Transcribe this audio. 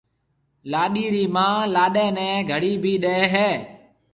لاڏيِ رِي مان لاڏيَ نَي گھڙِي بي ڏَي هيَ۔